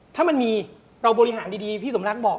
ถ้ามันมีเราบริหารดีพี่สมรักบอก